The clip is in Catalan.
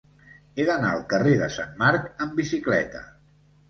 He d'anar al carrer de Sant Marc amb bicicleta.